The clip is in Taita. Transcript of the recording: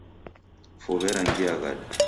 Fuw'e rangia ghadi